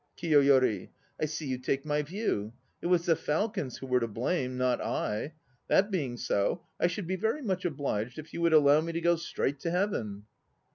KIYOYORI. I see you take my view. It was the falcons who were to blame, not I. That being so, I should be very much obliged if you would allow me to go straight to Heaven.